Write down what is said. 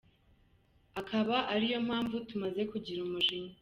Akaba ari yo mpamvu tumaze kugira umujinya.